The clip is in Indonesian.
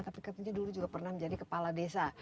tapi katanya dulu juga pernah menjadi kepala desa